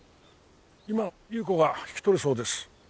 今裕子が引き取るそうです。